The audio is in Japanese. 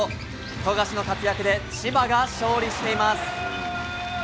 富樫の活躍で千葉が勝利しています。